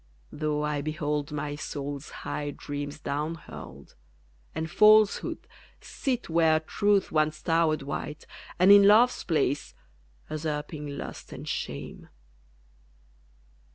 Though I behold my soul's high dreams down hurled, And FALSEHOOD sit where Truth once towered white, And in LOVE'S place, usurping lust and shame....